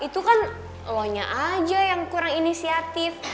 ya itu kan elonya aja yang kurang inisiatif